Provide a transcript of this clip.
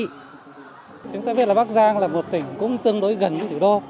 chúng ta biết là bắc giang là một tỉnh cũng tương đối gần như thủ đô